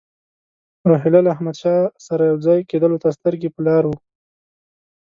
روهیله له احمدشاه سره یو ځای کېدلو ته سترګې په لار وو.